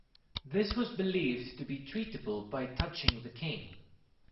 This was believed to be treatable by touching the King.